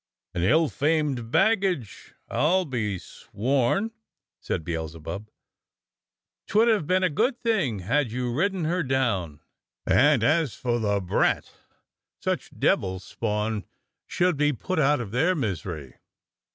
"An ill famed baggage, I'll be sworn," said Beelze bub .'' 'Twould have been a good thing had you ridden her down, and as for the brat, such devil spawn should be put out of their misery."